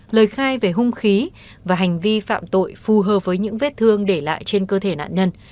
lời khai về hung khí và hành vi phạm tội phù hợp với những vết thương để lại trên cơ thể nạn nhân